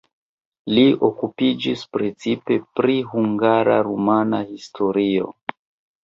Li okupiĝis precipe pri hungara-rumana historio.